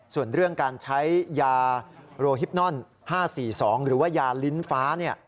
ส่วนเรื่องการใช้ยาโรฮิปนอน๕๔๒หรือว่ายาลิ้นฟ้า